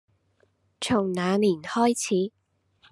從那年開始